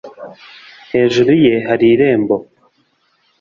hejuru ye hari irembo!